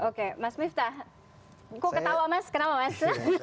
oke mas miftah kok ketawa mas kenapa mas